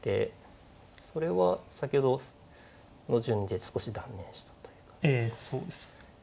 それは先ほどの順で少し断念したというか。